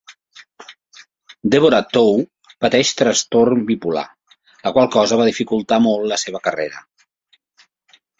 Deborah Tou pateix trastorn bipolar, la qual cosa va dificultar molt la seva carrera.